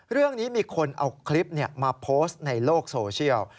เรื่องนี้มีคนเอาคลิปมาโพสต์ในโลกโซเชียล